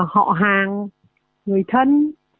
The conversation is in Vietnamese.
họ hàng người thân